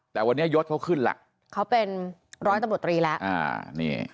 แต่วันนี้ยศเขาขึ้นแล้วเขาเป็นร้อยตำรวจตรีแล้วอ่านี่